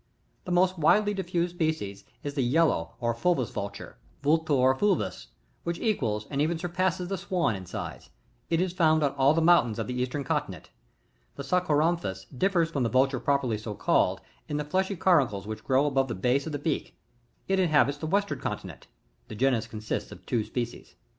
16. The most widely diffused species, is the Yellow or FuIvoub Vulturcy — Vultur fulcust — which equsds, and even surpasses the Swan in size ; it is found on all the mountains of the eastern continent 17. The Sarcoramphus differs from the Vulture properly so called in the fleshy caruncles which grow above the base of the beak ; it inhabits the western continent [The genus consists c^ two species.] 18.